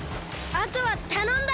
あとはたのんだ！